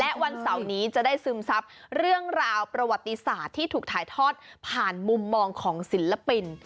และวันเสาร์นี้จะได้ซึมซับเรื่องราวประวัติศาสตร์ที่ถูกถ่ายทอดผ่านมุมมองของศิลปิน